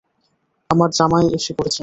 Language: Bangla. আমার জামাই এসে পড়েছে।